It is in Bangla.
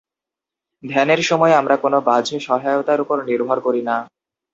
ধ্যানের সময় আমরা কোন বাহ্য সহায়তার উপর নির্ভর করি না।